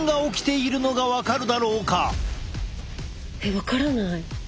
分からない。